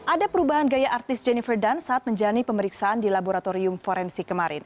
ada perubahan gaya artis jennifer dunn saat menjalani pemeriksaan di laboratorium forensik kemarin